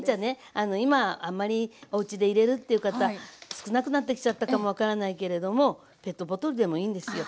あの今あんまりおうちで入れるっていう方少なくなってきちゃったかも分からないけれどもペットボトルでもいいんですよ。